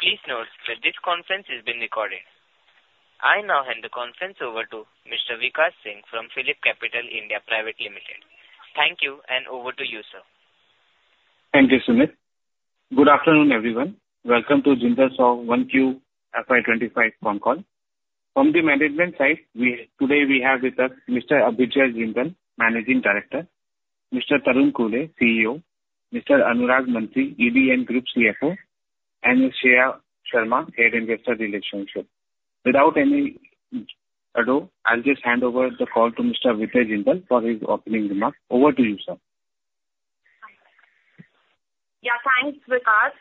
Please note that this conference is being recorded. I now hand the conference over to Mr. Vikas Singh from PhillipCapital (India) Private Limited. Thank you, and over to you, sir. Thank you, Sumit. Good afternoon, everyone. Welcome to Jindal Stainless Q1 FY25 phone call. From the management side, today we have with us Mr. Abhyuday Jindal, Managing Director, Mr. Tarun Khulbe, CEO, Mr. Anurag Mantri, ED and Group CFO, and Shreya Sharma, Head of Investor Relations. Without any ado, I'll just hand over the call to Mr. Abhyuday Jindal for his opening remarks. Over to you, sir. Yeah, thanks, Vikas.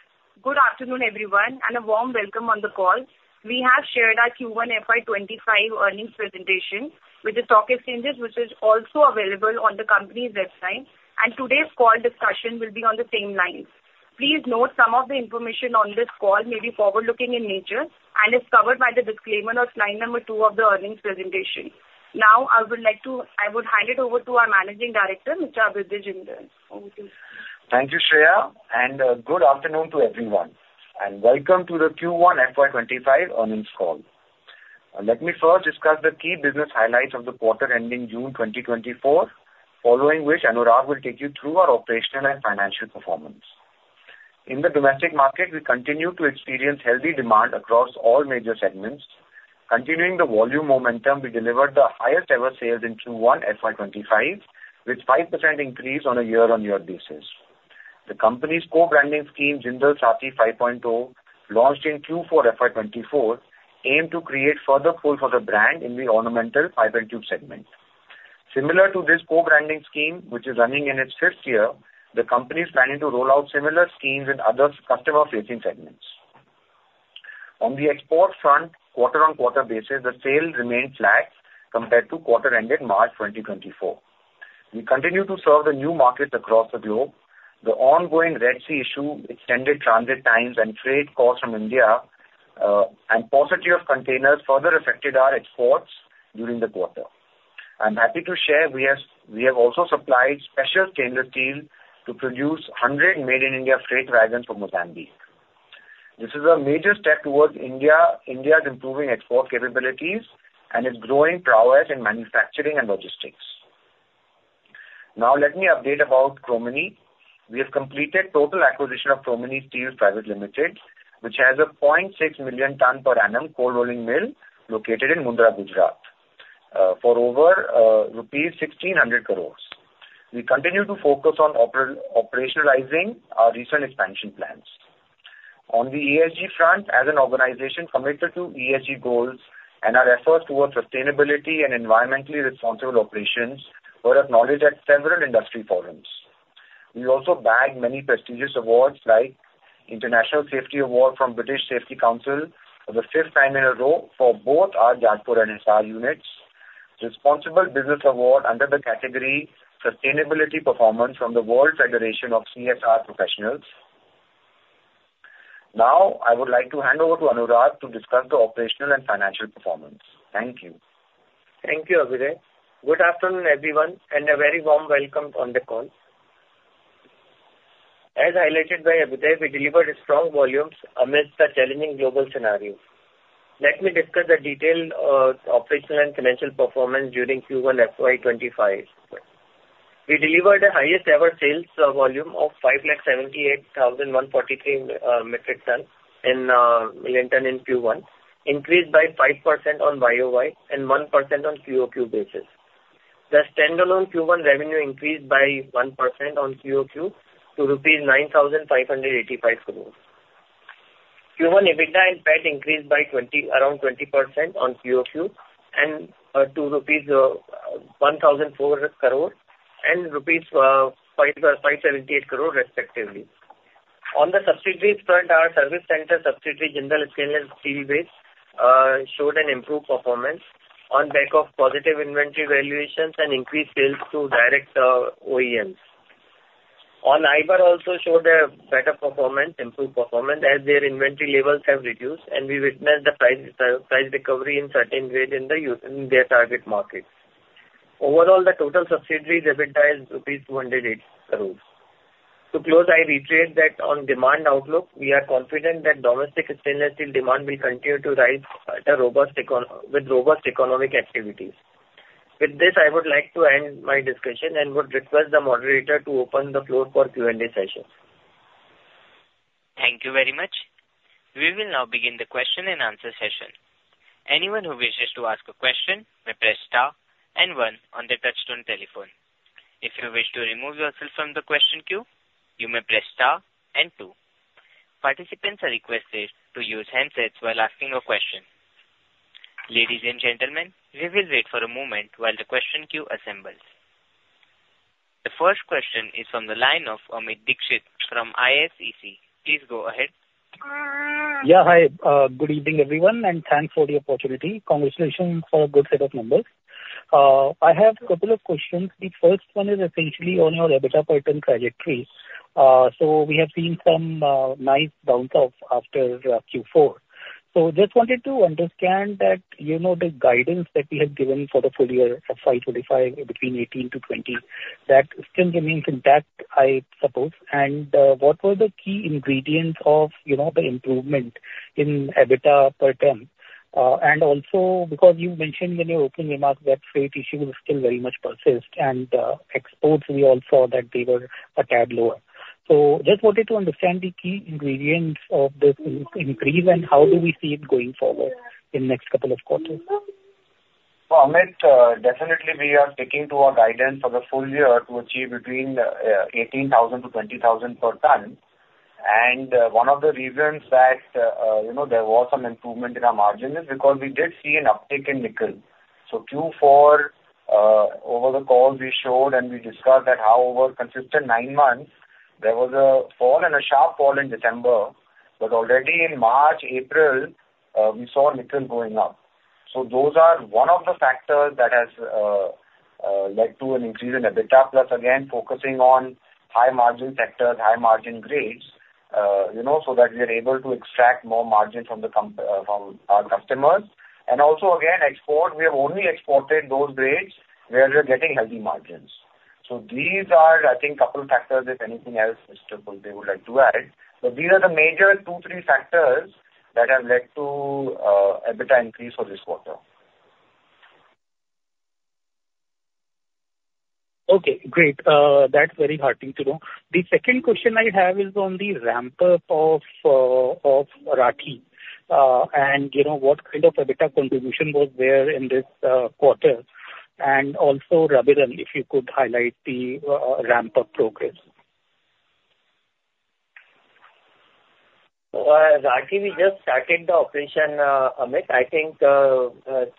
Good afternoon, everyone, and a warm welcome on the call. We have shared our Q1 FY25 earnings presentation with the stock exchanges, which is also available on the company's website, and today's call discussion will be on the same lines. Please note some of the information on this call may be forward-looking in nature and is covered by the disclaimer on slide number 2 of the earnings presentation. Now I would like to hand it over to our Managing Director, Mr. Abhyuday Jindal. Over to you. Thank you, Shreya, and good afternoon to everyone, and welcome to the Q1 FY25 earnings call. Let me first discuss the key business highlights of the quarter ending June 2024, following which Anurag will take you through our operational and financial performance. In the domestic market, we continue to experience healthy demand across all major segments. Continuing the volume momentum, we delivered the highest ever sales in Q1 FY25, with 5% increase on a year-on-year basis. The company's co-branding scheme, Jindal Saathi 5.0, launched in Q4 FY24, aimed to create further pull for the brand in the ornamental pipe and tube segment. Similar to this co-branding scheme, which is running in its fifth year, the company is planning to roll out similar schemes in other customer-facing segments. On the export front, quarter-on-quarter basis, the sales remained flat compared to quarter ending March 2024. We continue to serve the new markets across the globe. The ongoing Red Sea issue, extended transit times and trade costs from India, and positivity of containers further affected our exports during the quarter. I'm happy to share, we have, we have also supplied special stainless steel to produce 100 Made-in-India freight wagons for Mozambique. This is a major step towards India, India's improving export capabilities and its growing prowess in manufacturing and logistics. Now let me update about Chromeni. We have completed total acquisition of Chromeni Steels Private Limited, which has a 0.6 million ton per annum cold rolling mill, located in Mundra, Gujarat, for over rupees 1,600 crore. We continue to focus on operationalizing our recent expansion plans. On the ESG front, as an organization committed to ESG goals and our efforts towards sustainability and environmentally responsible operations were acknowledged at several industry forums. We also bagged many prestigious awards like International Safety Award from British Safety Council for the fifth time in a row for both our Jajpur and Hisar units. Responsible Business Award under the category Sustainability Performance from the World Federation of CSR Professionals. Now, I would like to hand over to Anurag to discuss the operational and financial performance. Thank you. Thank you, Abhyuday. Good afternoon, everyone, and a very warm welcome on the call. As highlighted by Abhyuday, we delivered strong volumes amidst the challenging global scenario. Let me discuss the detailed operational and financial performance during Q1 FY25. We delivered the highest ever sales volume of 578,143 metric tons in Q1, increased by 5% on YoY and 1% on QoQ basis. The standalone Q1 revenue increased by 1% on QoQ to rupees 9,585 crore. Q1 EBITDA and PAT increased by around 20% on QoQ, to rupees 1,004 crore and rupees 578 crore respectively. On the subsidiaries front, our service center subsidiary, Jindal Stainless Steelway Limited, showed an improved performance on back of positive inventory valuations and increased sales to direct OEMs. Iberjindal also showed a better performance, improved performance, as their inventory levels have reduced, and we witnessed the price recovery in certain grade in their target markets. Overall, the total subsidiary EBITDA is rupees 208 crores. To close, I reiterate that on demand outlook, we are confident that domestic stainless steel demand will continue to rise at a robust economic, with robust economic activities. With this, I would like to end my discussion and would request the moderator to open the floor for Q&A session. Thank you very much. We will now begin the question-and-answer session. Anyone who wishes to ask a question may press star and one on their touchtone telephone. If you wish to remove yourself from the question queue, you may press star and two. Participants are requested to use handsets while asking a question. Ladies and gentlemen, we will wait for a moment while the question queue assembles. The first question is from the line of Amit Dixit from ICICI Securities. Please go ahead. Yeah, hi. Good evening, everyone, and thanks for the opportunity. Congratulations for a good set of numbers. I have a couple of questions. The first one is essentially on your EBITDA pattern trajectory. So we have seen some nice bounce off after Q4.... So just wanted to understand that, you know, the guidance that we had given for the full year of 545, between 18%-20%, that still remains intact, I suppose. And, what were the key ingredients of, you know, the improvement in EBITDA per ton? And also because you mentioned in your opening remarks that freight issues still very much persist, and, exports, we all saw that they were a tad lower. So just wanted to understand the key ingredients of this increase, and how do we see it going forward in the next couple of quarters? Well, Amit, definitely we are sticking to our guidance for the full year to achieve between 18,000-20,000 per ton. And, one of the reasons that, you know, there was some improvement in our margin is because we did see an uptick in nickel. So Q4, over the call, we showed and we discussed that however, consistent nine months, there was a fall and a sharp fall in December, but already in March, April, we saw nickel going up. So those are one of the factors that has led to an increase in EBITDA, plus again, focusing on high margin sectors, high margin grades, you know, so that we are able to extract more margin from our customers. And also again, export, we have only exported those grades where we are getting healthy margins. These are, I think, couple factors, if anything else, Mr. Khulbe would like to add. But these are the major two, three factors that have led to EBITDA increase for this quarter. Okay, great. That's very heartening to know. The second question I have is on the ramp up of Rathi. And, you know, what kind of EBITDA contribution was there in this quarter? And also, Rabirun, if you could highlight the ramp up progress. Rathi, we just started the operation, Amit, I think, so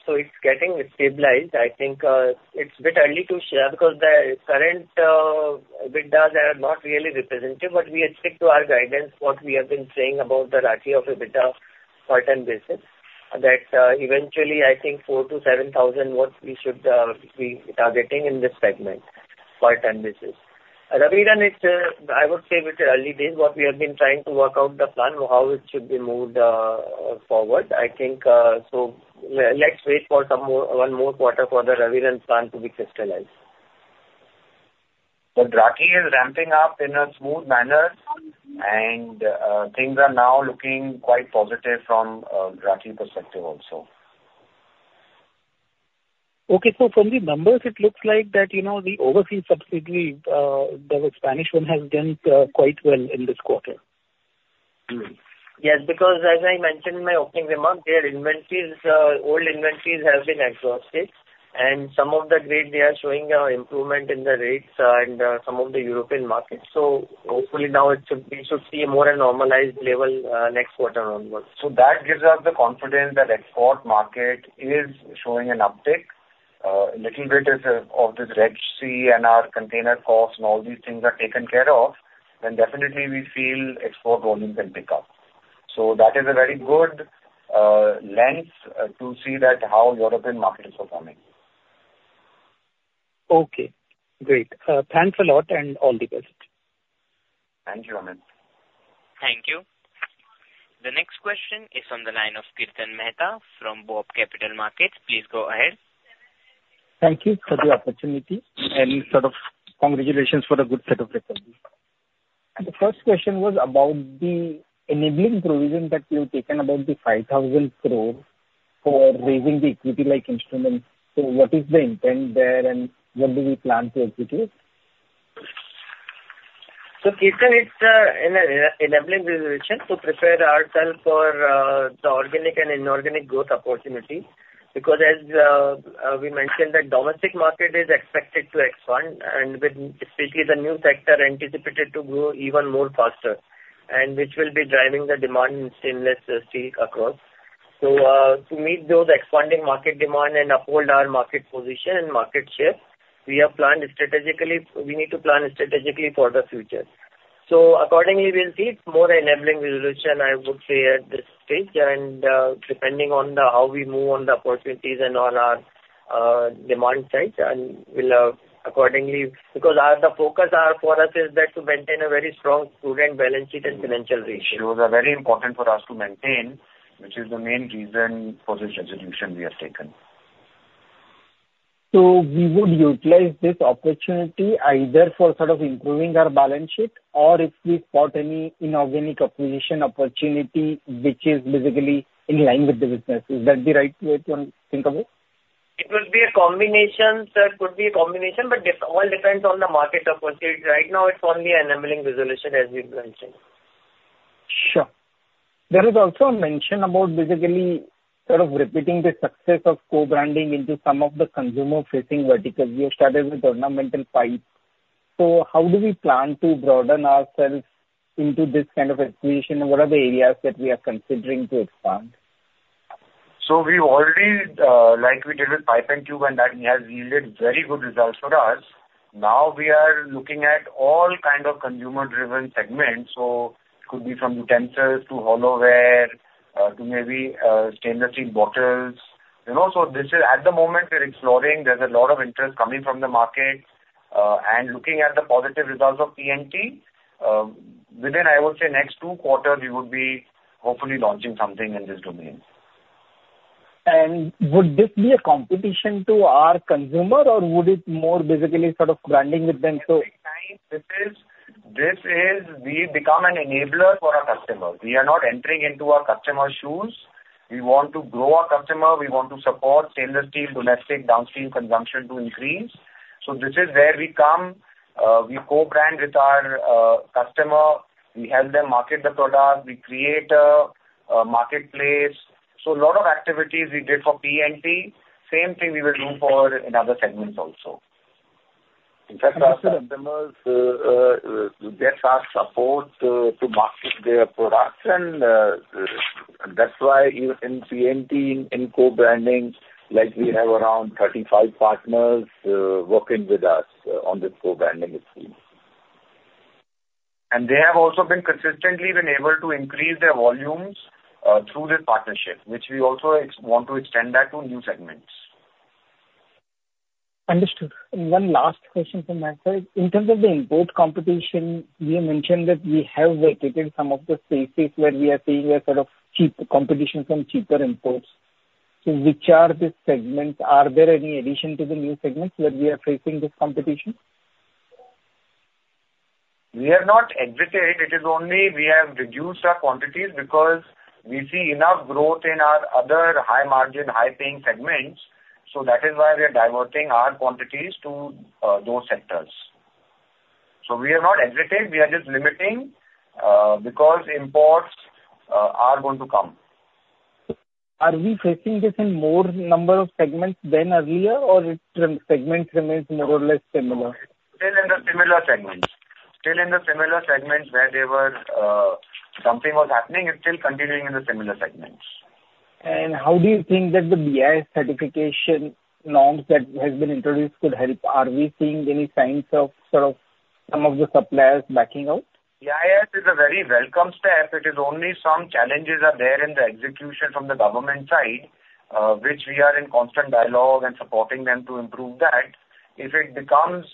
it's getting stabilized. I think, it's a bit early to share, because the current EBITDA is not really representative, but we stick to our guidance, what we have been saying about the Rathi's EBITDA per ton basis, that, eventually, I think 4,000-7,000 what we should be targeting in this segment, per ton basis. Rabirun, it's, I would say it's early days, but we have been trying to work out the plan, how it should be moved forward. I think, so let's wait for some more, one more quarter for the Rabirun plan to be crystallized. But Rathi is ramping up in a smooth manner, and things are now looking quite positive from Rathi perspective also. Okay. So from the numbers, it looks like that, you know, the overseas subsidiary, the Spanish one, has done quite well in this quarter. Mm-hmm. Yes, because as I mentioned in my opening remarks, their inventories, old inventories have been exhausted, and some of the grade, they are showing, improvement in the rates, in some of the European markets. So hopefully now it should, we should see a more normalized level, next quarter onwards. So that gives us the confidence that export market is showing an uptick. Little bit is, of the Red Sea and our container costs and all these things are taken care of, then definitely we feel export volumes will pick up. So that is a very good, lens, to see that how European market is performing. Okay, great. Thanks a lot and all the best. Thank you, Amit. Thank you. The next question is on the line of Kirtan Mehta from BOB Capital Markets. Please go ahead. Thank you for the opportunity and sort of congratulations for the good set of results. The first question was about the enabling provision that you've taken about 5,000 crore for raising the equity like instrument. So what is the intent there and when do we plan to execute? So, Kirtan, it's enabling resolution to prepare ourselves for the organic and inorganic growth opportunities, because as we mentioned, that domestic market is expected to expand, and with especially the new sector, anticipated to grow even more faster, and which will be driving the demand in stainless steel across. So, to meet those expanding market demand and uphold our market position and market share, we have planned strategically, we need to plan strategically for the future. So accordingly, we'll see more enabling resolution, I would say, at this stage. And, depending on how we move on the opportunities and on our demand side, and we'll accordingly... Because our, the focus are, for us, is that to maintain a very strong prudent balance sheet and financial ratio. Those are very important for us to maintain, which is the main reason for this resolution we have taken. We would utilize this opportunity either for sort of improving our balance sheet or if we spot any inorganic acquisition opportunity, which is basically in line with the business. Is that the right way to think of it? It will be a combination. There could be a combination, but it all depends on the market opportunity. Right now, it's only enabling resolution, as we mentioned. Sure. There is also a mention about basically sort of repeating the success of co-branding into some of the consumer-facing verticals. You have started with ornamental pipes. So how do we plan to broaden ourselves into this kind of expansion, and what are the areas that we are considering to expand? So we already, like we did with pipe and tube, and that has yielded very good results for us. Now we are looking at all kind of consumer-driven segments. So it could be from utensils to hollowware, to maybe, stainless steel bottles. You know, so this is, at the moment, we're exploring. There's a lot of interest coming from the market.... and looking at the positive results of P&T, within, I would say next two quarters, we would be hopefully launching something in this domain. Would this be a competition to our consumer, or would it more basically sort of branding with them so? This is we become an enabler for our customer. We are not entering into our customer's shoes. We want to grow our customer, we want to support overall steel domestic downstream consumption to increase. So this is where we come, we co-brand with our customer, we help them market the product, we create a marketplace. So a lot of activities we did for P&T, same thing we will do for in other segments also. In fact, our customers get our support to market their products, and that's why even in P&T, in co-branding, like we have around 35 partners working with us on this co-branding initiative. They have also been consistently able to increase their volumes through this partnership, which we also want to extend that to new segments. Understood. One last question from my side. In terms of the import competition, you mentioned that we have vacated some of the spaces where we are seeing a sort of cheap competition from cheaper imports. So which are the segments? Are there any addition to the new segments where we are facing this competition? We are not exited, it is only we have reduced our quantities because we see enough growth in our other high-margin, high-paying segments, so that is why we are diverting our quantities to those sectors. So we are not exited, we are just limiting because imports are going to come. Are we facing this in more number of segments than earlier, or it segments remains more or less similar? Still in the similar segments. Still in the similar segments where they were, something was happening, it's still continuing in the similar segments. How do you think that the BIS certification norms that has been introduced could help? Are we seeing any signs of sort of some of the suppliers backing out? BIS is a very welcome step. It is only some challenges are there in the execution from the government side, which we are in constant dialogue and supporting them to improve that. If it becomes,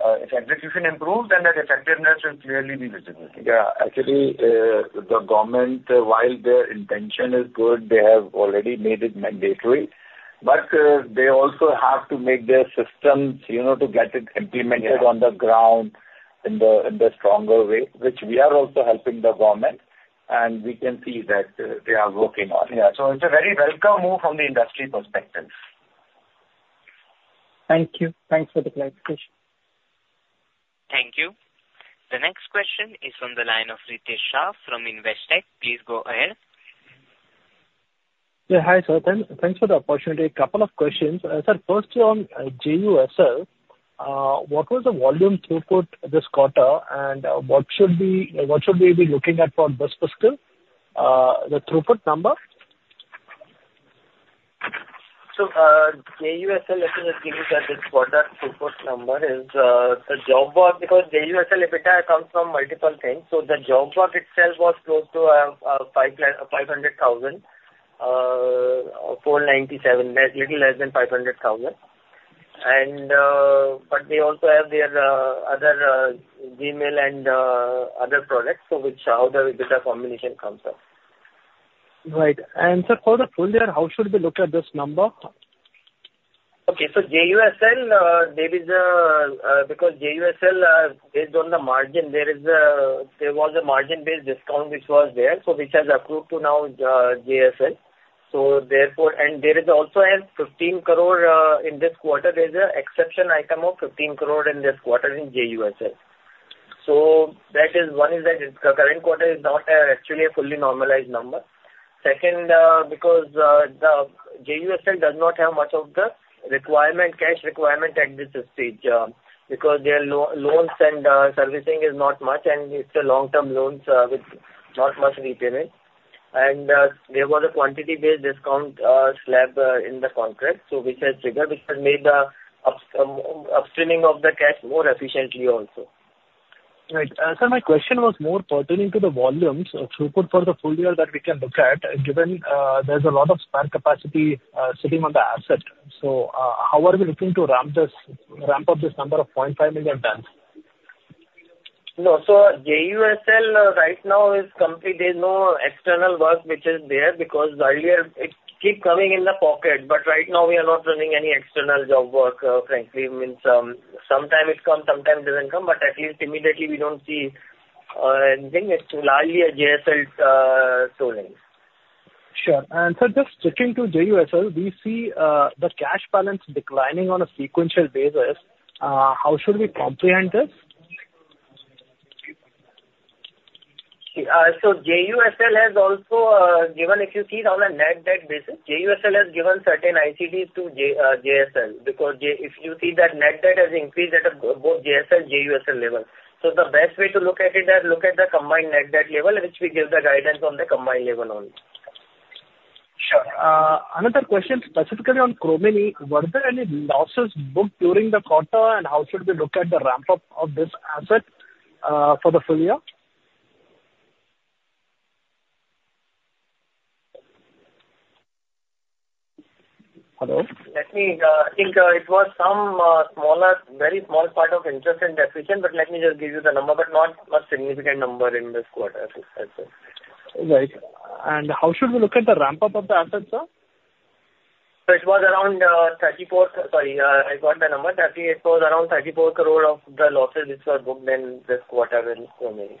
if execution improves, then the effectiveness will clearly be visible. Yeah. Actually, the government, while their intention is good, they have already made it mandatory, but, they also have to make their systems, you know, to get it implemented. Yeah on the ground in the stronger way, which we are also helping the government, and we can see that they are working on. Yeah. It's a very welcome move from the industry perspective. Thank you. Thanks for the clarification. Thank you. The next question is from the line of Ritesh Shah from Investec. Please go ahead. Yeah, hi, sir. Thanks, thanks for the opportunity. A couple of questions. Sir, first on JUSL, what was the volume throughput this quarter, and what should we be looking at for this fiscal, the throughput number? So, JUSL, let me just give you this quarter throughput number is the job work, because JUSL EBITDA comes from multiple things. So the job work itself was close to 500,000, 497,000, little less than 500,000. And, but they also have their other sales and other products, so which how the better combination comes up. Right. And sir, for the full year, how should we look at this number? Okay. So JUSL, there is a, because JUSL, based on the margin, there was a margin-based discount which was there, so which has accrued to now, JSL. So therefore... And there is also an 15 crore, in this quarter, there is an exception item of 15 crore in this quarter in JUSL. So that is, one is that it's the current quarter is not, actually a fully normalized number. Second, because, the JUSL does not have much of the requirement, cash requirement at this stage, because their loans and, servicing is not much, and it's long-term loans, with not much repayment. And, there was a quantity-based discount, slab, in the contract, so which has triggered, which has made the upstreaming of the cash more efficiently also. Right. Sir, my question was more pertaining to the volumes, throughput for the full year that we can look at, given there's a lot of spare capacity sitting on the asset. So, how are we looking to ramp this, ramp up this number of 0.5 million tons? No, so JUSL, right now is complete. There's no external work which is there, because earlier it keep coming in the pocket, but right now we are not running any external job work, frankly. Means, sometime it come, sometime it doesn't come, but at least immediately we don't see, anything. It's largely a JSL, tooling. Sure. And sir, just switching to JUSL, we see the cash balance declining on a sequential basis. How should we comprehend this? So JUSL has also given, if you see it on a net debt basis, JUSL has given certain ICDs to JSL, because if you see that net debt has increased at both JSL, JUSL level. So the best way to look at it, are look at the combined net debt level, which we give the guidance on the combined level only. Sure. Another question, specifically on Chromeni. Were there any losses booked during the quarter, and how should we look at the ramp-up of this asset, for the full year? ... Hello. Let me, I think it was some smaller, very small part of interest and deficient, but let me just give you the number, but not a significant number in this quarter. That's it. Right. How should we look at the ramp-up of the assets, sir? So it was around 34. Sorry, I got the number. That it was around 34 crore of the losses which were booked in this quarter in Chromeni.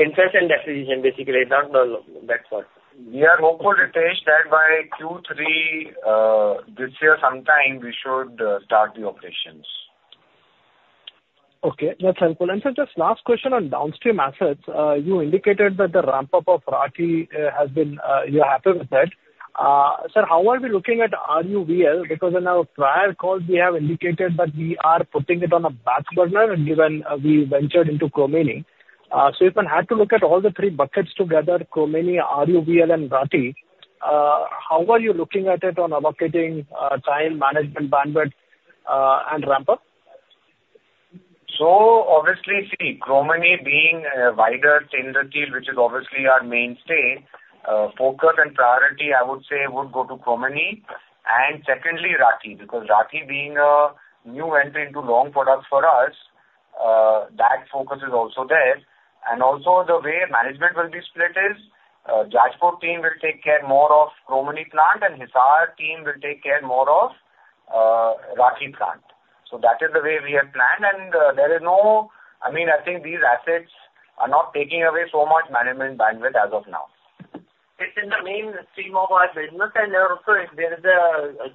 Interest and depreciation, basically, that's that part. We are hopeful, Ritesh, that by Q3 this year sometime, we should start the operations. Okay, that's helpful. And so just last question on downstream assets. You indicated that the ramp-up of Rathi has been; you're happy with that. Sir, how are we looking at RUBL? Because in our prior calls, we have indicated that we are putting it on a back burner, and given we ventured into Chromeni. So if one had to look at all the three buckets together, Chromeni, RUBL and Rathi, how are you looking at it on allocating time, management, bandwidth, and ramp-up? So obviously, see, Chromeni being a wider tender steel, which is obviously our mainstay, focus and priority, I would say, would go to Chromeni, and secondly, Rathi, because Rathi being a new entry into long product for us, that focus is also there. And also, the way management will be split is, Jajpur team will take care more of Chromeni plant, and Hisar team will take care more of, Rathi plant. So that is the way we have planned, and, there is no... I mean, I think these assets are not taking away so much management bandwidth as of now. It's in the mainstream of our business, and also there is an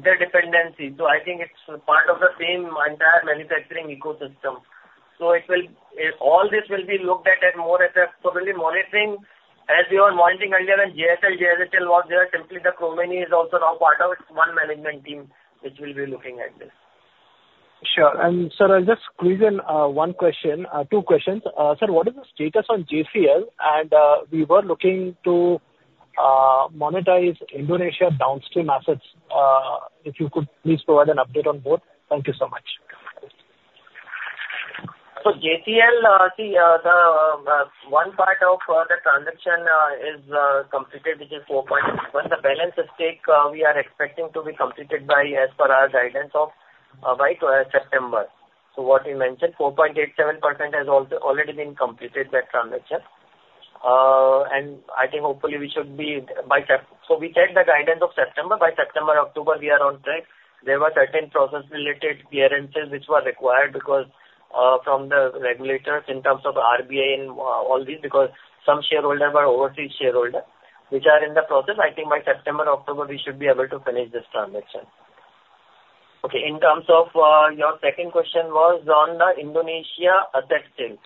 interdependency. So I think it's part of the same entire manufacturing ecosystem. So it will all this will be looked at more at a, so we'll be monitoring, as we were monitoring earlier, and JSL, JSHL was there. Simply the Chromeni is also now part of one management team, which will be looking at this. Sure. And sir, I'll just squeeze in one question, two questions. Sir, what is the status on JCL? And we were looking to monetize Indonesia downstream assets. If you could please provide an update on both. Thank you so much. So JCL, see, the one part of the transaction is completed, which is 4 point. But the balance at stake, we are expecting to be completed by, as per our guidance, of by September. So what we mentioned, 4.87% has also already been completed, that transaction. And I think hopefully we should be by Sep-- So we take the guidance of September. By September, October, we are on track. There were certain process-related clearances which were required because, from the regulators in terms of RBI and all these, because some shareholder were overseas shareholder, which are in the process. I think by September, October, we should be able to finish this transaction. Okay, in terms of your second question was on the Indonesia asset sale.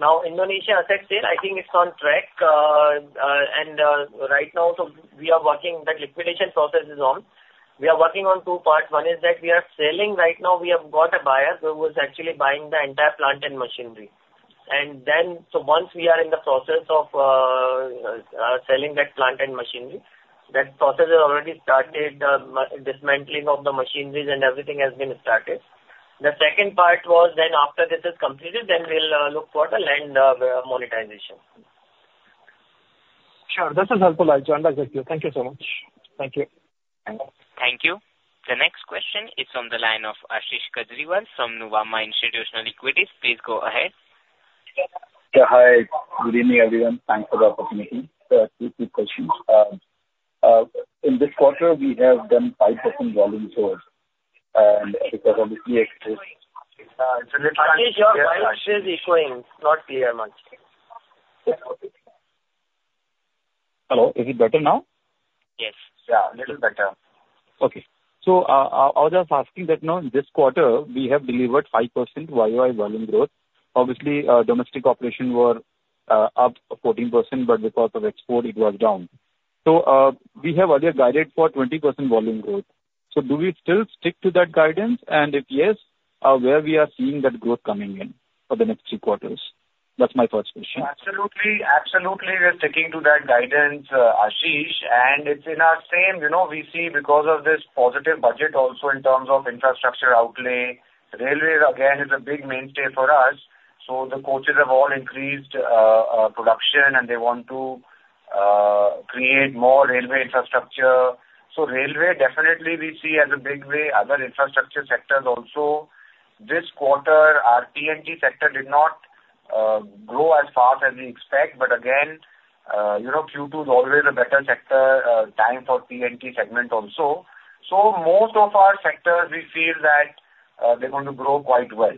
Now, Indonesia asset sale, I think it's on track, and, right now, so we are working, the liquidation process is on. We are working on two parts. One is that we are selling. Right now, we have got a buyer who is actually buying the entire plant and machinery. And then, so once we are in the process of selling that plant and machinery, that process has already started. Dismantling of the machineries and everything has been started. The second part was then after this is completed, then we'll look for the land monetization. Sure, that is helpful. I joined exactly. Thank you so much. Thank you. Thank you. The next question is from the line of Ashish Kejriwal from Nuvama Institutional Equities. Please go ahead. Yeah, hi. Good evening, everyone. Thanks for the opportunity. Two quick questions. In this quarter, we have done 5% volume growth, and because of the export- Ashish, your voice is echoing, not clear much. Hello, is it better now? Yes. Yeah, a little better. Okay. So, I was just asking that, now, in this quarter, we have delivered 5% YY volume growth. Obviously, domestic operation were up 14%, but because of export, it was down. So, we have earlier guided for 20% volume growth. So do we still stick to that guidance? And if yes, where we are seeing that growth coming in for the next three quarters? That's my first question. Absolutely. Absolutely, we are sticking to that guidance, Ashish, and it's in our same, you know, we see because of this positive budget also in terms of infrastructure outlay, railway again, is a big mainstay for us, so the coaches have all increased, production, and they want to, create more railway infrastructure. So railway, definitely we see as a big way. Other infrastructure sectors also. This quarter, our P&T sector did not, grow as fast as we expect. But again, you know, Q2 is always a better sector, time for P&T segment also. So most of our sectors, we feel that, they're going to grow quite well.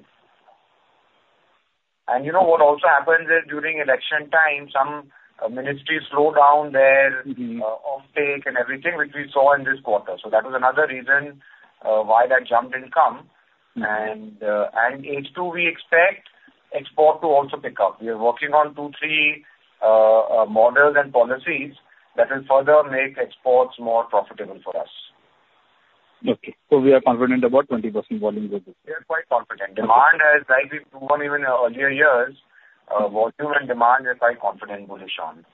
And you know what also happens is, during election time, some, ministries slow down their, offtake and everything, which we saw in this quarter. That was another reason why that jump didn't come. Mm-hmm. And in H2, we expect exports to also pick up. We are working on 2, 3 models and policies that will further make exports more profitable for us. Okay. So we are confident about 20% volume growth? We are quite confident. Okay. Demand has likely proven even in earlier years, volume and demand are quite confident position.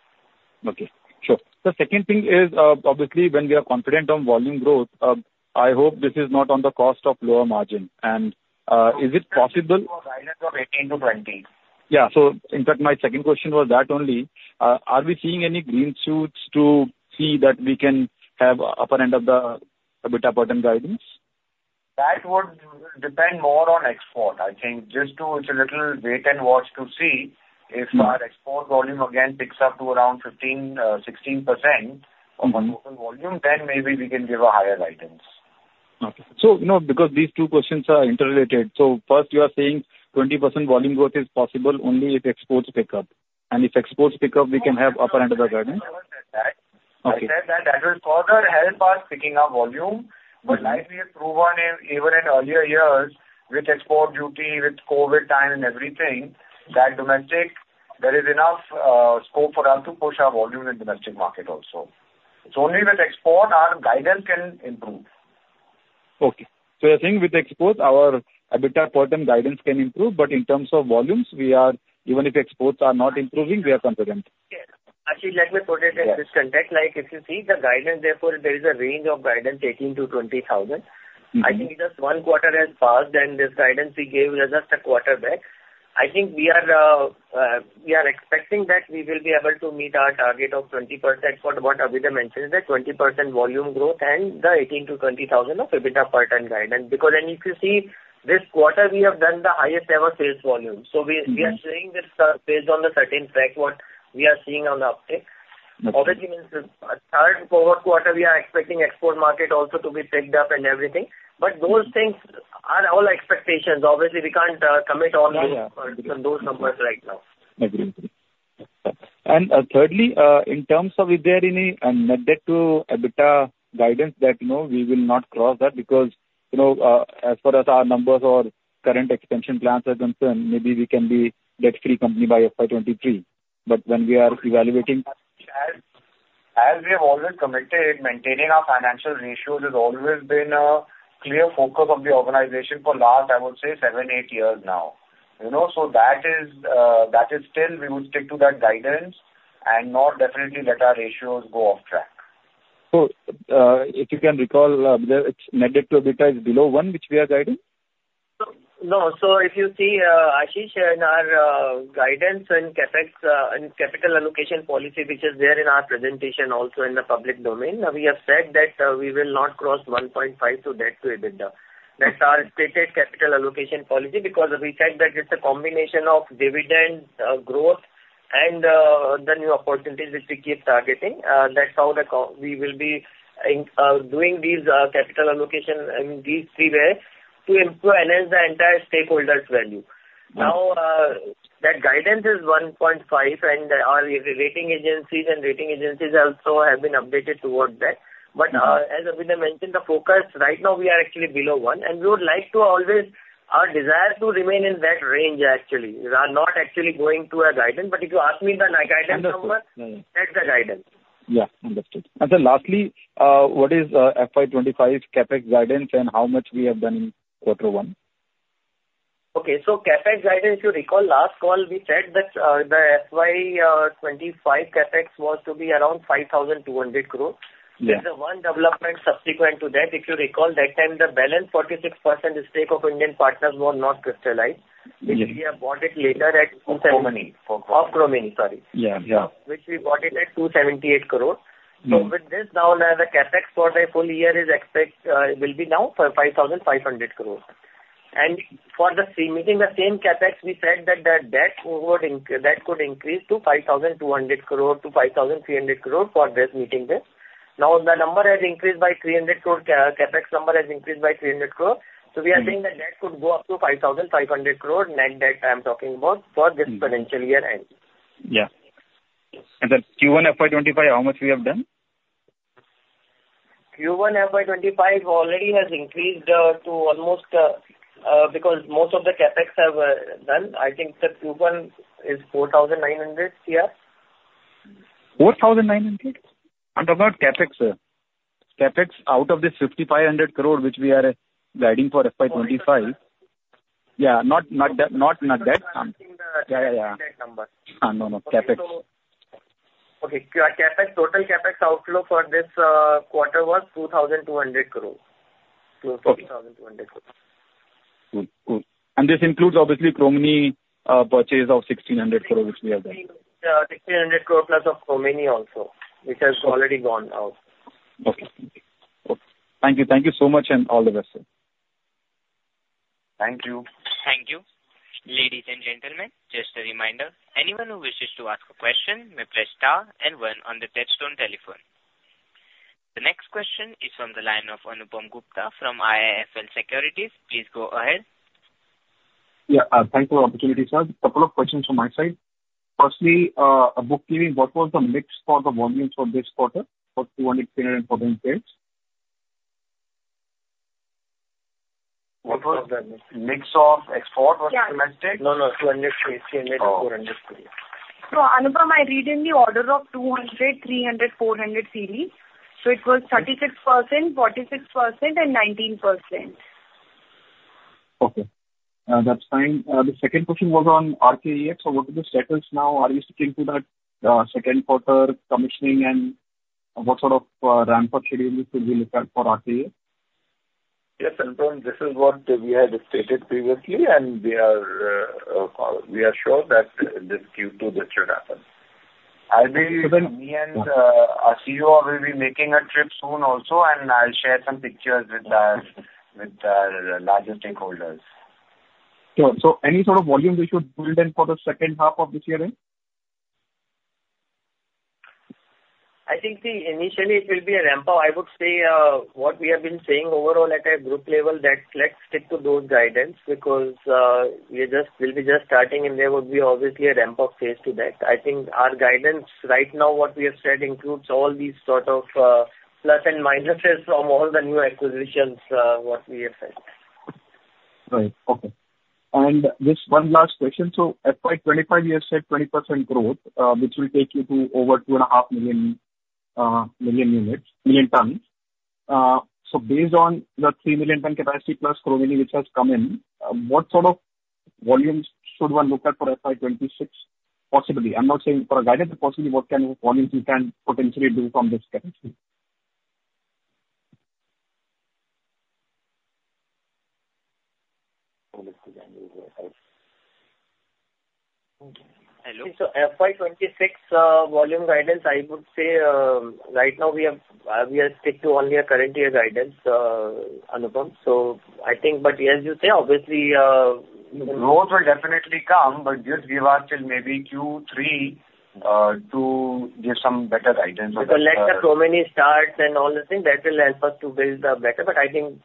Okay, sure. The second thing is, obviously, when we are confident on volume growth, I hope this is not on the cost of lower margin. And, is it possible?... from 18 to 20. Yeah. So in fact, my second question was that only. Are we seeing any green shoots to see that we can have upper end of the EBITDA per ton guidance? That would depend more on export. I think just to, it's a little wait and watch to see- Mm-hmm. -if our export volume again picks up to around 15%-16%- Mm-hmm. on total volume, then maybe we can give a higher guidance. Okay. So, no, because these two questions are interrelated. So first you are saying 20% volume growth is possible only if exports pick up, and if exports pick up, we can have upper end of the guidance. No, I never said that. Okay. I said that, that will further help us picking up volume. Mm-hmm. But like we have proven even in earlier years, with export duty, with COVID time and everything- Mm-hmm. that domestic, there is enough scope for us to push our volume in domestic market also. It's only with export our guidance can improve. Okay. So you're saying with export, our EBITDA per ton guidance can improve, but in terms of volumes, we are... even if exports are not improving, we are confident? Yeah. Ashish, let me put it in this context. Yeah. Like, if you see the guidance, therefore, there is a range of guidance, 18,000-20,000. Mm-hmm. I think just one quarter has passed, and this guidance we gave was just a quarter back. I think we are expecting that we will be able to meet our target of 20% for what Abhyuday mentioned, the 20% volume growth and the 18,000-20,000 EBITDA per ton guidance. Because then if you see, this quarter we have done the highest ever sales volume. Mm-hmm. We are saying this based on the certain track what we are seeing on the uptake. Okay. Obviously, means, third forward quarter, we are expecting export market also to be picked up and everything. But those things are all expectations. Obviously, we can't commit on- Yeah, yeah. on those numbers right now. Agree. And, thirdly, in terms of, is there any net debt to EBITDA guidance that, you know, we will not cross that because, you know, as per our numbers or current expansion plans are concerned, maybe we can be debt-free company by FY 2023. But when we are evaluating- As, as we have always committed, maintaining our financial ratios has always been a clear focus of the organization for the last, I would say 7-8 years now. You know, so that is, that is still we would stick to that guidance and not definitely let our ratios go off track. If you can recall, the net debt to EBITDA is below one, which we are guiding? No, so if you see, Ashish, in our guidance and CapEx and capital allocation policy, which is there in our presentation also in the public domain, we have said that we will not cross 1.5 debt to EBITDA. Mm-hmm. That's our stated capital allocation policy, because we said that it's a combination of dividend, growth and the new opportunities which we keep targeting. That's how we will be doing these capital allocation in these three ways to improve, enhance the entire stakeholders' value. Mm-hmm. Now, that guidance is 1.5, and our rating agencies and rating agencies also have been updated towards that. Mm-hmm. But, as Abhyuday mentioned, the focus right now we are actually below one, and we would like to always... Our desire to remain in that range actually, we are not actually going to a guidance. But if you ask me the guidance number- Understood. that's the guidance. Yeah, understood. And then lastly, what is FY 25 CapEx guidance and how much we have done in quarter 1? Okay. So CapEx guidance, if you recall, last call, we said that, the FY 25 CapEx was to be around 5,200 crore. Yeah. There's one development subsequent to that. If you recall that time, the balance 46% stake of Indian partners were not crystallized. Mm-hmm. Which we have bought it later at 2- Cromini. Of Chromeni, sorry. Yeah, yeah. Which we bought it at 278 crore. Mm-hmm. So with this now, the CapEx for the full year is expected will be now 5,500 crore. And for the same, within the same CapEx, we said that the debt could increase to 5,200 crore-5,300 crore for this meeting this. Now, the number has increased by 300 crore, CapEx number has increased by 300 crore. Mm-hmm. So we are saying the debt could go up to 5,500 crore, net debt I'm talking about, for this financial year end. Yeah. And then Q1 FY25, how much we have done? Q1 FY25 already has increased to almost because most of the CapEx are done. I think the Q1 is 4,900, yeah? 4,900? I'm talking about CapEx, sir. CapEx out of this 5,500 crore, which we are guiding for FY 2025. Oh, CapEx. Yeah, not debt, not debt. I'm seeing the- Yeah, yeah. CapEx number. No, no, CapEx. So, CapEx, total CapEx outflow for this quarter was INR 2,200 crore. Okay. Close to INR 2,200 crore. Good. Good. And this includes obviously Chromeni purchase of INR 1,600 crore, which we have done. Yeah, INR 1,600 crore plus of Chromeni also, which has already gone out. Okay. Okay. Thank you. Thank you so much, and all the best. Thank you. Thank you. Ladies and gentlemen, just a reminder, anyone who wishes to ask a question may press Star and One on the touchtone telephone. The next question is from the line of Anupam Gupta from IIFL Securities. Please go ahead. Yeah, thank you for the opportunity, sir. A couple of questions from my side. Firstly, bookkeeping, what was the mix for the volumes for this quarter for 200, 300, and 400 Series? What was the mix of export or domestic? Yeah. No, no, 200, 300, 400 series. So, Anupam, I read in the order of 200, 300, 400 Series. So it was 36%, 46%, and 19%. Okay. That's fine. The second question was on RKEF. So what are the status now? Are you sticking to that second quarter commissioning and what sort of ramp up should we be looking at for RAE? Yes, Anupam, this is what we had stated previously, and we are, we are sure that this Q2, this should happen. I will, me and, our CEO will be making a trip soon also, and I'll share some pictures with our, with our larger stakeholders. Sure. So any sort of volume we should build in for the second half of this year end? I think that initially it will be a ramp up. I would say, what we have been saying overall at a group level, that let's stick to those guidance because, we'll be just starting and there will be obviously a ramp-up phase to that. I think our guidance right now, what we have said includes all these sort of, plus and minuses from all the new acquisitions, what we have said. Right. Okay. And just one last question: so FY 25, you have said 20% growth, which will take you to over 2.5 million, million units, million tons. So based on the 3 million ton capacity plus Chromeni, which has come in, what sort of volumes should one look at for FY 26, possibly? I'm not saying for a guidance, but possibly, what can, volumes you can potentially do from this capacity? Hello. So FY 26 volume guidance, I would say, right now we have, we are stick to only a current year guidance, Anupam. So I think... But as you say, obviously, growth will definitely come, but just we have until maybe Q3 to give some better guidance. So let the Chromeni start and all the things, that will help us to build the better. But I think,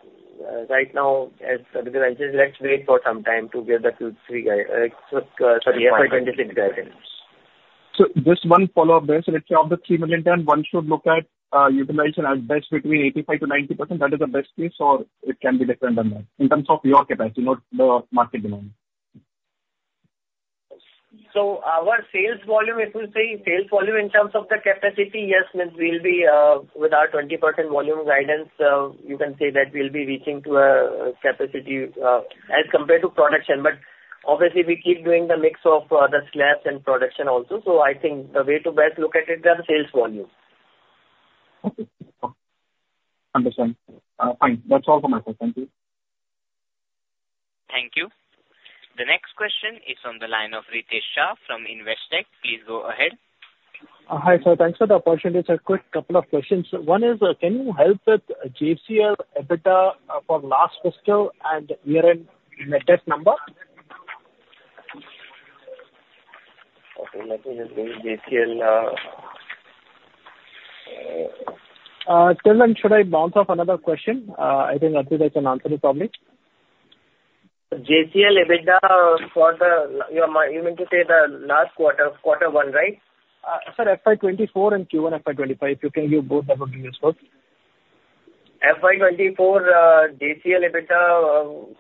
right now, as, let's wait for some time to get the Q3, sorry, FY 2026 guidance. So just one follow-up there. So let's say of the 3 million tons, one should look at, utilization at best between 85%-90%. That is the best case, or it can be different than that, in terms of your capacity, not the market demand. So our sales volume, if you say sales volume in terms of the capacity, yes, means we'll be with our 20% volume guidance. You can say that we'll be reaching to a capacity as compared to production. But obviously we keep doing the mix of the slabs and production also. So I think the way to best look at it are the sales volume. Okay. Understand. Fine. That's all for my side. Thank you. Thank you. The next question is on the line of Ritesh Shah from Investec. Please go ahead. Hi, sir. Thanks for the opportunity. A quick couple of questions. One is, can you help with JCL EBITDA for last fiscal and year-end net debt number? Okay. Let me look JCL, Well, then, should I bounce off another question? I think Aditya can answer it probably. JCL EBITDA for the year? You mean to say the last quarter, quarter one, right? Sir, FY 24 and Q1, FY 25, if you can give both numbers would be useful. FY 2024 JCL EBITDA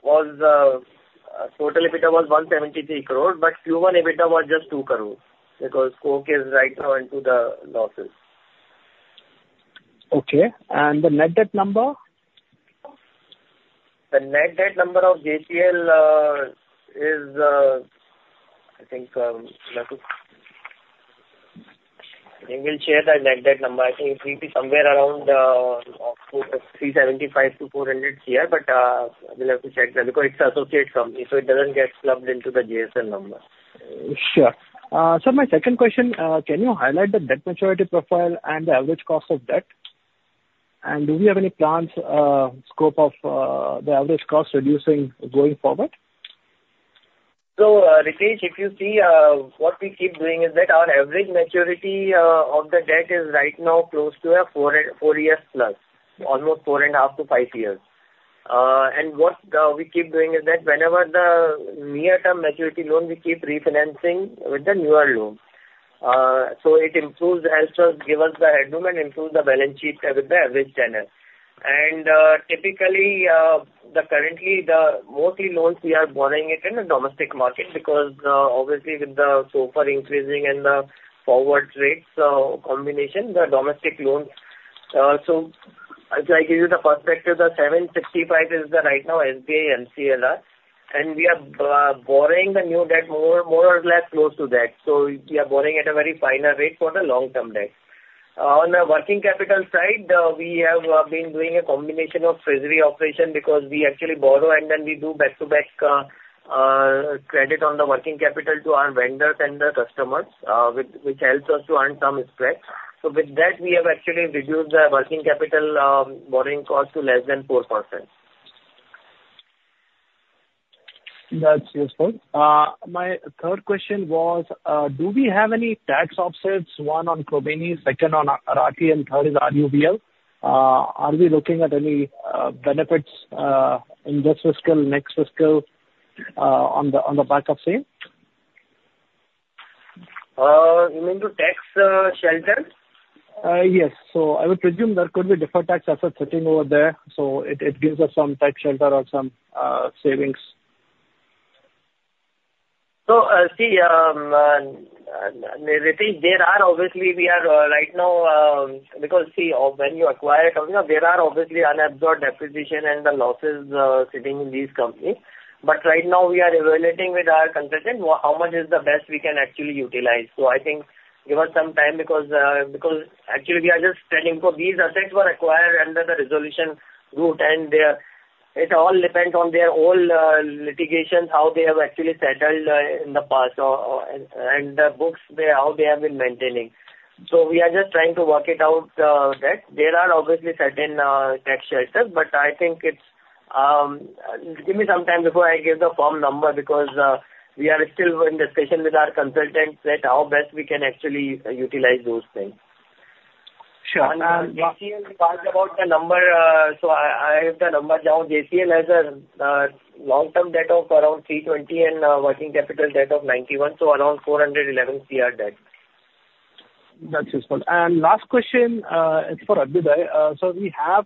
was total EBITDA 173 crores, but Q1 EBITDA was just 2 crores, because coke is right now into the losses. Okay. And the net debt number? The net debt number of JCL is, I think, I think we'll share the net debt number. I think it will be somewhere around 375-400 here, but we'll have to check that because it's an associate company, so it doesn't get clubbed into the JSL number. Sure. So my second question, can you highlight the debt maturity profile and the average cost of debt? And do we have any plans, scope of, the average cost reducing going forward? So, Ritesh, if you see, what we keep doing is that our average maturity of the debt is right now close to 4.4 years plus, almost 4.5-5 years. And what we keep doing is that whenever the near-term maturity loan, we keep refinancing with the newer loan. So it improves, helps us give us the headroom and improves the balance sheet with the average tenure. And, typically, the currently the mostly loans we are borrowing it in the domestic market, because, obviously with the SOFR increasing and the forward rates, combination, the domestic loans. So I, I give you the perspective, the 7.65 is the right now SBI MCLR, and we are, borrowing the new debt more, more or less close to that. So we are borrowing at a very finer rate for the long-term debt. On the working capital side, we have been doing a combination of treasury operation because we actually borrow and then we do back-to-back credit on the working capital to our vendors and the customers, which helps us to earn some spread. So with that, we have actually reduced the working capital borrowing cost to less than 4%. That's useful. My third question was: Do we have any tax offsets, one, on Chromeni, second on Rathi, and third is RUBL? Are we looking at any benefits, in this fiscal, next fiscal, on the back of same? You mean to tax shelter? Yes. So I would presume there could be deferred tax asset sitting over there, so it gives us some tax shelter or some savings. So, see, Ritesh, there are obviously, we are, right now, because see, when you acquire a company, there are obviously unabsorbed acquisition and the losses, sitting in these companies. But right now we are evaluating with our consultant how much is the best we can actually utilize. So I think give us some time because, because actually we are just telling, so these assets were acquired under the resolution route, and they are- ... It all depends on their old litigations, how they have actually settled in the past or and the books, they, how they have been maintaining. So we are just trying to work it out, that there are obviously certain tax shelters, but I think it's. Give me some time before I give the firm number, because we are still in discussion with our consultants that how best we can actually utilize those things. Sure, uh- JCL, you talked about the number, so I have the number down. JCL has a long-term debt of around 320 crore and a working capital debt of 91 crore, so around 411 crore debt. That's useful. And last question is for Abhyuday. So we have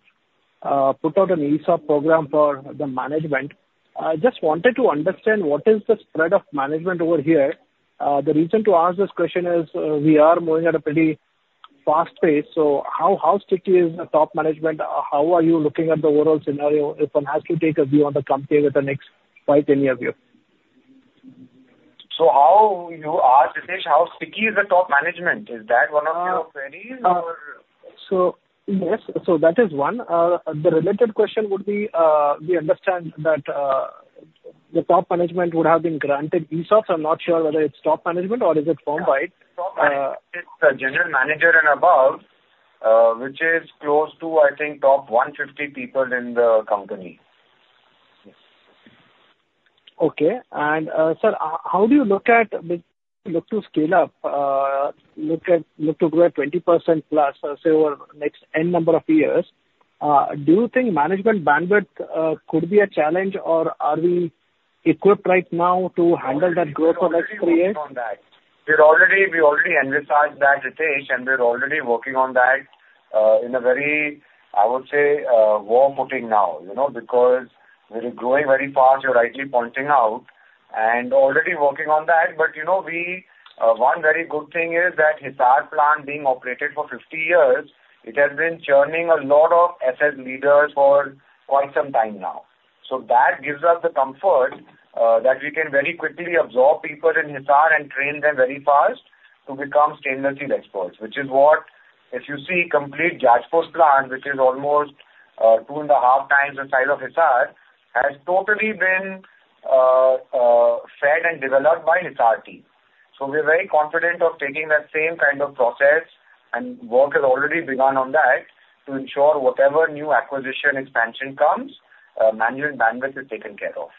put out an ESOP program for the management. I just wanted to understand what is the spread of management over here. The reason to ask this question is, we are moving at a pretty fast pace, so how, how sticky is the top management? How are you looking at the overall scenario, if one has to take a view on the company with the next 5, 10 year view? How, you ask, Ritesh, how sticky is the top management? Is that one of your queries or- So yes. So that is one. The related question would be, we understand that, the top management would have been granted ESOPs. I'm not sure whether it's top management or is it firm wide? Yeah. Top management, it's the general manager and above, which is close to, I think, top 150 people in the company. Okay. And, sir, how do you look at the look to scale up, look to grow at 20% plus, or say, over the next N number of years? Do you think management bandwidth could be a challenge, or are we equipped right now to handle that growth for next three years? We're already working on that. We're already, we already envisaged that, Ritesh, and we're already working on that, in a very, I would say, war footing now, you know, because we are growing very fast, you're rightly pointing out, and already working on that. But, you know, we, one very good thing is that Hisar plant being operated for 50 years, it has been churning a lot of asset leaders for quite some time now. So that gives us the comfort, that we can very quickly absorb people in Hisar and train them very fast to become stainless steel experts, which is what, if you see complete Jajpur plant, which is almost, 2.5 times the size of Hisar, has totally been, fed and developed by Hisar team. We're very confident of taking that same kind of process, and work has already begun on that, to ensure whatever new acquisition expansion comes, management bandwidth is taken care of.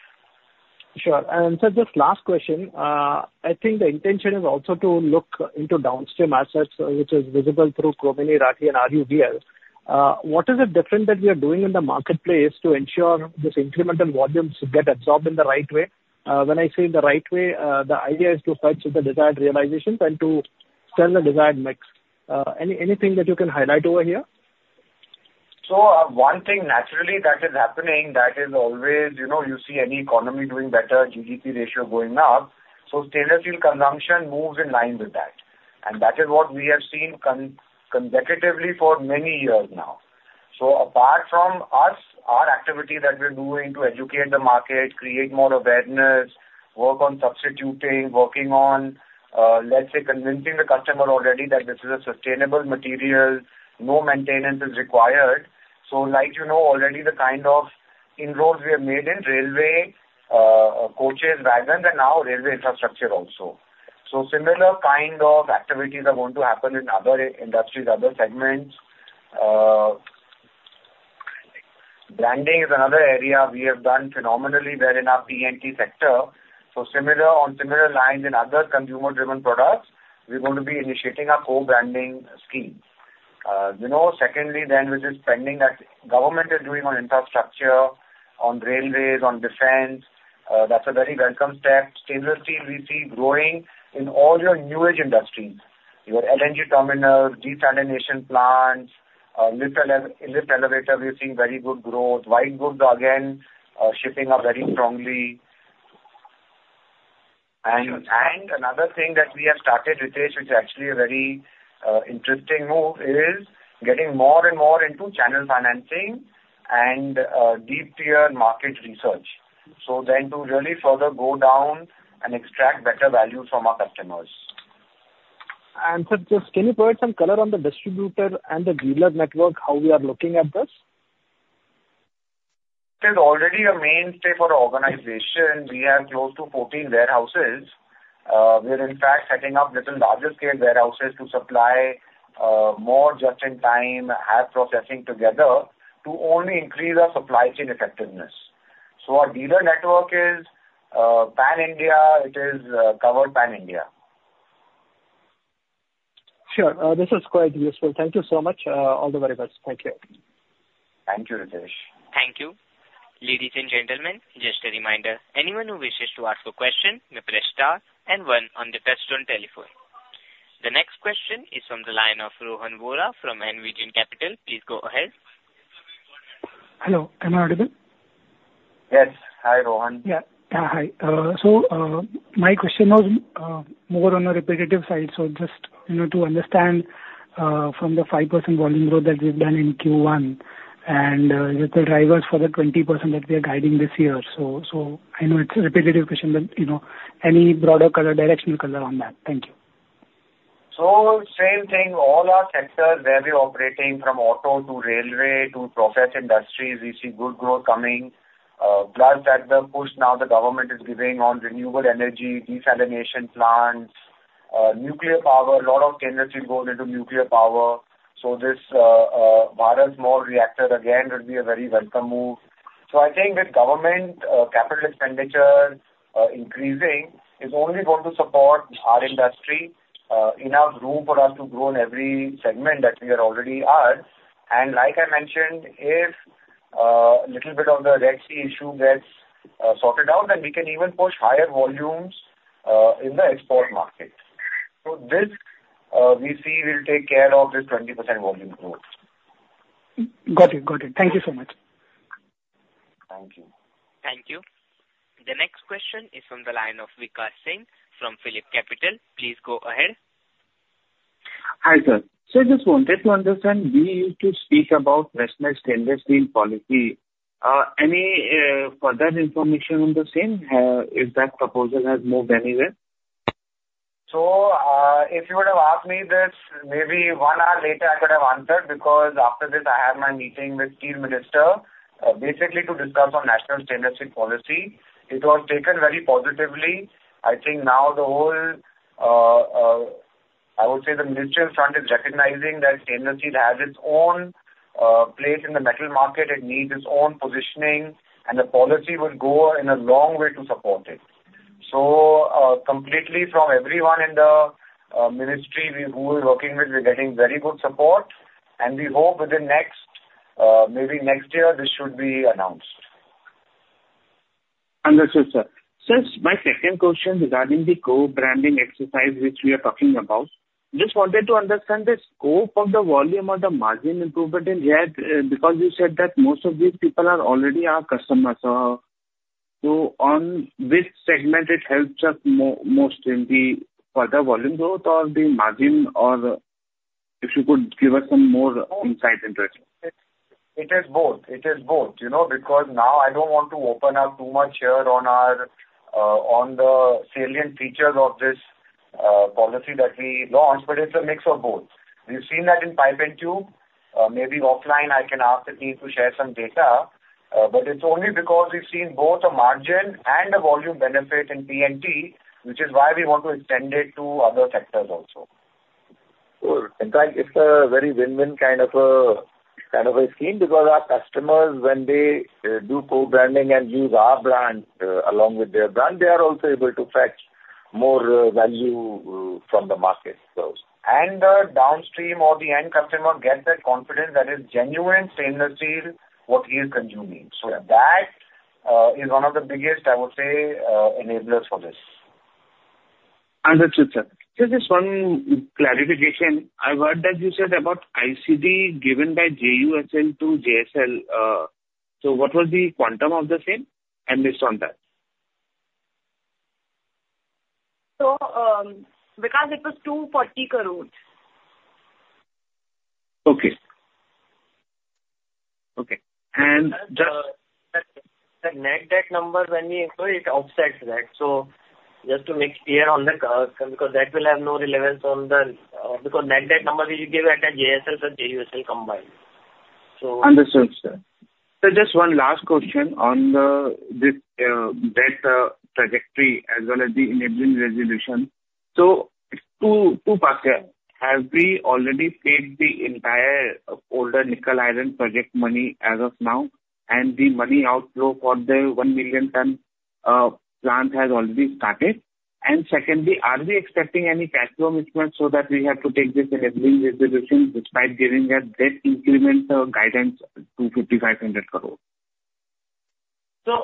Sure. Sir, just last question. I think the intention is also to look into downstream assets, which is visible through Chromeni, Rathi, and RUBS. What is it different that we are doing in the marketplace to ensure these incremental volumes get absorbed in the right way? When I say the right way, the idea is to fetch the desired realizations and to sell the desired mix. Anything that you can highlight over here? So one thing naturally that is happening, that is always, you know, you see any economy doing better, GDP ratio going up, so stainless steel consumption moves in line with that. And that is what we have seen consecutively for many years now. So apart from us, our activity that we're doing to educate the market, create more awareness, work on substituting, working on, let's say, convincing the customer already that this is a sustainable material, no maintenance is required. So like, you know already the kind of inroads we have made in railway coaches, wagons, and now railway infrastructure also. So similar kind of activities are going to happen in other industries, other segments. Branding is another area we have done phenomenally well in our PNT sector. So similar, on similar lines in other consumer-driven products, we're going to be initiating a co-branding scheme. You know, secondly then, which is pending, that government is doing on infrastructure, on railways, on defense, that's a very welcome step. Stainless steel we see growing in all your new age industries, your LNG terminals, desalination plants, lift elevator, we've seen very good growth. White goods, again, shipping up very strongly. And another thing that we have started, Ritesh, which is actually a very interesting move, is getting more and more into channel financing and deep tier market research. So then to really further go down and extract better value from our customers. Sir, just can you provide some color on the distributor and the dealer network, how we are looking at this? It is already a mainstay for our organization. We have close to 14 warehouses. We're in fact setting up little larger scale warehouses to supply more just-in-time, half processing together, to only increase our supply chain effectiveness. So our dealer network is pan-India. It is covered pan-India. Sure. This is quite useful. Thank you so much. All the very best. Thank you. Thank you, Ritesh. Thank you. Ladies and gentlemen, just a reminder, anyone who wishes to ask a question, may press star and one on the touch-tone telephone. The next question is from the line of Rohan Vora from Envision Capital. Please go ahead. Hello, am I audible? Yes. Hi, Rohan. Yeah. Hi. So, my question was more on a repetitive side. So just, you know, to understand from the 5% volume growth that we've done in Q1, and the drivers for the 20% that we are guiding this year. So, I know it's a repetitive question, but, you know, any broader color, directional color on that? Thank you.... So same thing, all our sectors where we're operating from auto to railway to process industry, we see good growth coming. Plus that the push now the government is giving on renewable energy, desalination plants, nuclear power, a lot of energy going into nuclear power. So this, Bharat Small Reactor, again, will be a very welcome move. So I think with government capital expenditure increasing, is only going to support our industry, enough room for us to grow in every segment that we are already at. And like I mentioned, if little bit of the Red Sea issue gets sorted out, then we can even push higher volumes in the export market. So this, we see will take care of this 20% volume growth. Got it. Got it. Thank you so much. Thank you. Thank you. The next question is from the line of Vikas Singh from Phillip Capital. Please go ahead. Hi, sir. I just wanted to understand, we used to speak about national stainless steel policy. Any further information on the same? If that proposal has moved anywhere? So, if you would have asked me this, maybe one hour later, I could have answered, because after this, I have my meeting with Steel Minister, basically to discuss on national stainless steel policy. It was taken very positively. I think now the whole, I would say the ministry front is recognizing that stainless steel has its own place in the metal market. It needs its own positioning, and the policy will go in a long way to support it. So, completely from everyone in the ministry, we who we're working with, we're getting very good support, and we hope within next, maybe next year, this should be announced. Understood, sir. Since my second question regarding the co-branding exercise, which we are talking about, just wanted to understand the scope of the volume or the margin improvement in here, because you said that most of these people are already our customers. So on which segment it helps us most in the further volume growth or the margin, or if you could give us some more insight into it? It is both. It is both, you know, because now I don't want to open up too much here on our on the salient features of this policy that we launched, but it's a mix of both. We've seen that in pipe and tube. Maybe offline, I can ask the team to share some data, but it's only because we've seen both a margin and a volume benefit in P&T, which is why we want to extend it to other sectors also. Good. In fact, it's a very win-win kind of a, kind of a scheme, because our customers, when they do co-branding and use our brand, along with their brand, they are also able to fetch more value from the market. The downstream or the end customer gets that confidence that is genuine stainless steel, what he is consuming. Yeah. So that is one of the biggest, I would say, enablers for this. Understood, sir. Just this one clarification. I heard that you said about ICD given by JUSL to JSL. So what was the quantum of the same? I missed on that. Because it was 240 crore. Okay. Okay, and just- The net debt number, when we explore, it offsets that. So just to make clear on the, because that will have no relevance on the, because net debt number which you give at a JSL so JUSL combined. So- Understood, sir. Just one last question on the, this, debt, trajectory as well as the enabling resolution. Two parts here. Have we already paid the entire older nickel iron project money as of now, and the money outflow for the 1 million ton plant has already started? And secondly, are we expecting any cash flow mismanagement so that we have to take this enabling resolution despite giving a debt increment guidance to 5,500 crore? So,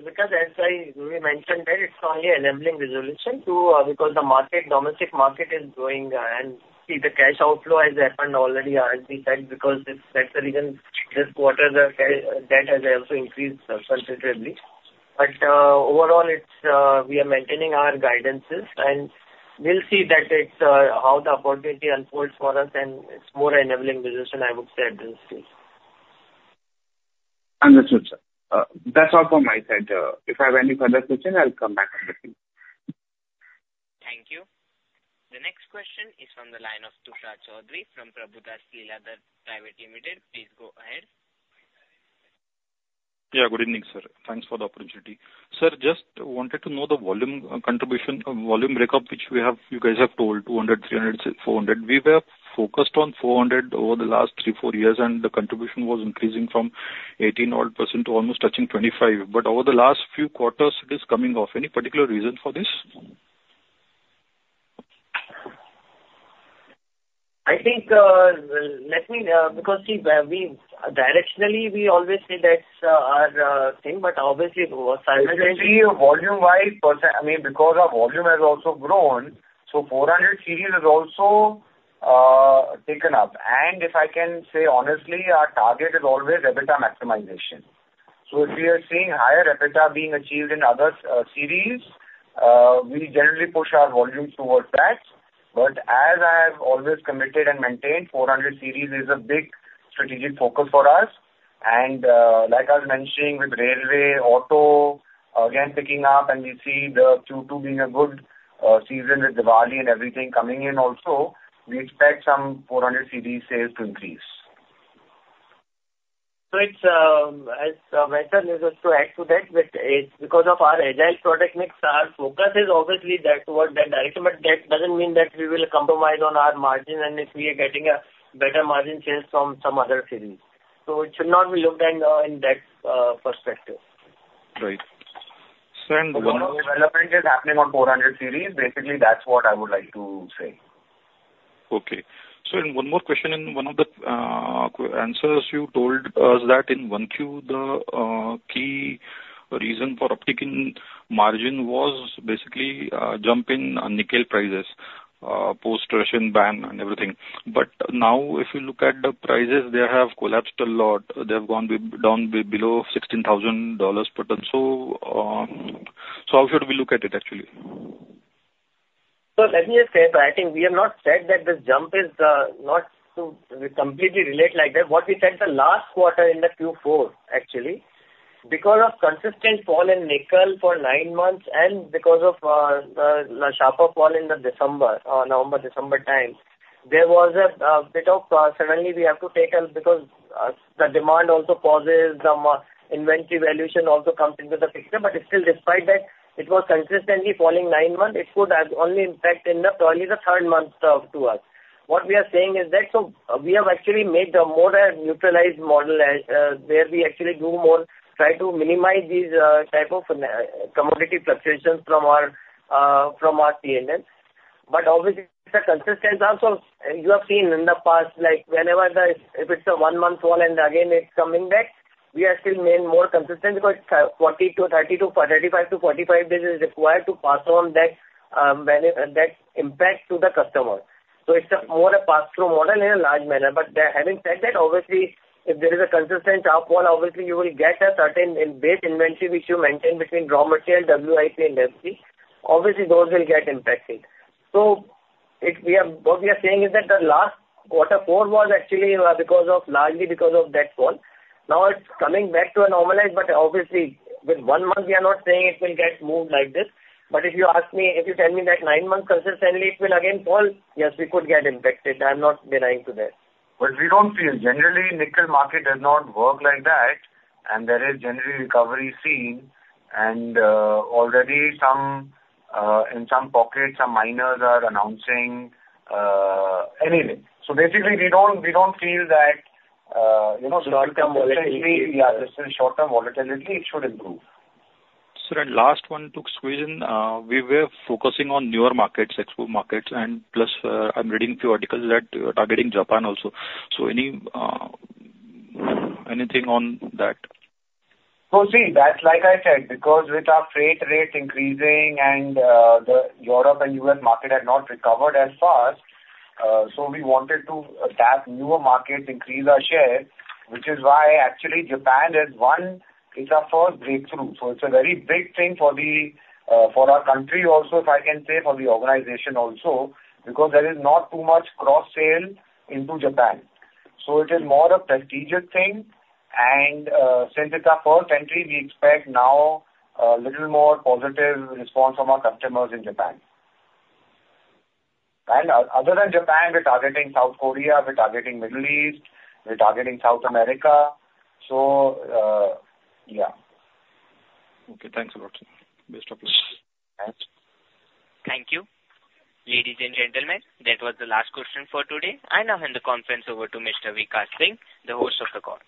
because as I, we mentioned that it's only enabling resolution to, because the market, domestic market is growing, and see, the cash outflow has happened already as we said, because this that's the reason this quarter the debt has also increased, considerably. But, overall, it's, we are maintaining our guidances, and we'll see that it's, how the opportunity unfolds for us, and it's more enabling business, I would say, at this stage. Understood, sir. That's all from my side. If I have any further question, I'll come back on the team. Thank you. The next question is from the line of Tushar Chaudhari from Prabhudas Lilladher Private Limited. Please go ahead. Yeah, good evening, sir. Thanks for the opportunity. Sir, just wanted to know the volume contribution, volume break up, which we have, you guys have told 200, 300, 400. We were focused on 400 over the last 3, 4 years, and the contribution was increasing from 18 odd % to almost touching 25%. But over the last few quarters, it is coming off. Any particular reason for this? I think, let me, because see, we directionally, we always say that's our thing, but obviously- If you see volume-wise percent, I mean, because our volume has also grown, so 400 Series has also taken up. And like I was mentioning, with railway, auto again picking up, and we see the Q2 being a good season with Diwali and everything coming in also, we expect some 400 CD sales to increase. So it's, as, Vaikunth just to add to that, with it's because of our agile product mix, our focus is obviously that what that item, but that doesn't mean that we will compromise on our margin, and if we are getting a better margin shares from some other series. So it should not be looked at in that perspective. Right. So- A lot of development is happening on 400 Series. Basically, that's what I would like to say. Okay. So and one more question, in one of the answers you told us that in one Q, the key reason for uptick in margin was basically a jump in nickel prices post Russian ban and everything. But now, if you look at the prices, they have collapsed a lot. They have gone down below $16,000 per ton. So, how should we look at it, actually? So let me just say, I think we have not said that the jump is not to completely relate like that. What we said the last quarter in the Q4, actually, because of consistent fall in nickel for nine months and because of the sharper fall in the December, November, December time, there was a bit of... Suddenly we have to take a because the demand also pauses, the inventory valuation also comes into the picture. But still, despite that, it was consistently falling nine months. It could have only impact in the, probably the third month, to us. What we are saying is that, so we have actually made a more neutralized model, where we actually do more, try to minimize these type of commodity fluctuations from our from our P&L. But obviously, it's a consistent also. You have seen in the past, like, whenever the, if it's a 1-month fall and again it's coming back, we are still remain more consistent because, 40 to 30 to, 35 to 45 days is required to pass on that, that impact to the customer. So it's a more a pass-through model in a large manner. But the, having said that, obviously, if there is a consistent upfall, obviously you will get a certain in base inventory, which you maintain between raw material, WIP and FG. Obviously, those will get impacted. So it, we are, what we are saying is that the last quarter four was actually, because of, largely because of that fall. Now, it's coming back to a normalized, but obviously with 1 month, we are not saying it will get moved like this. If you ask me, if you tell me that nine months consistently, it will again fall, yes, we could get impacted. I'm not denying that. But we don't feel. Generally, nickel market does not work like that, and there is generally recovery seen, and already some in some pockets, some miners are announcing... Anyway, so basically we don't, we don't feel that, you know, short-term volatility- Yeah. Yeah, just in short-term volatility, it should improve. So the last one, two question, we were focusing on newer markets, export markets, and plus, I'm reading a few articles that you are targeting Japan also. So anything on that? So see, that's like I said, because with our freight rate increasing and, the Europe and U.S. market had not recovered as fast, so we wanted to tap newer markets, increase our share, which is why actually Japan is one, it's our first breakthrough. So it's a very big thing for the, for our country also, if I can say, for the organization also, because there is not too much cross-sale into Japan. So it is more a prestigious thing, and, since it's our first entry, we expect now a little more positive response from our customers in Japan. And other than Japan, we're targeting South Korea, we're targeting Middle East, we're targeting South America. So, yeah. Okay, thanks a lot, sir. Best of luck. Thanks. Thank you. Ladies and gentlemen, that was the last question for today. I now hand the conference over to Mr. Vikas Singh, the host of the call.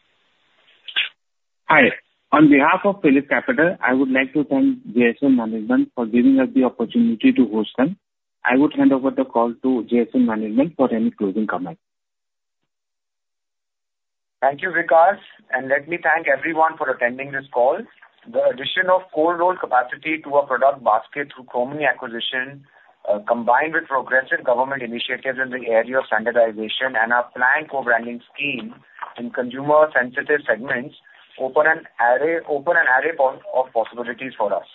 Hi. On behalf of PhillipCapital, I would like to thank JSL management for giving us the opportunity to host them. I would hand over the call to JSL management for any closing comments. Thank you, Vikas, and let me thank everyone for attending this call. The addition of cold roll capacity to our product basket through Chromeni acquisition, combined with progressive government initiatives in the area of standardization and our planned co-branding scheme in consumer sensitive segments, open an array of possibilities for us.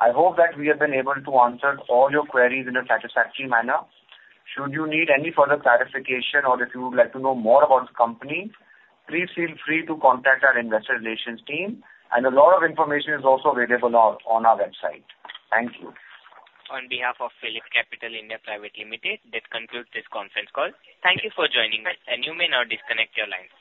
I hope that we have been able to answer all your queries in a satisfactory manner. Should you need any further clarification or if you would like to know more about the company, please feel free to contact our investor relations team, and a lot of information is also available on our website. Thank you. On behalf of PhillipCapital (India) Private Limited, that concludes this conference call. Thank you for joining us, and you may now disconnect your lines.